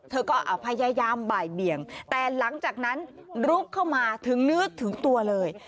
เธอก็พยายามบ่ายเบี่ยงแต่หลังจากนั้นลุกเข้ามาถึงเนื้อถึงตัวเลย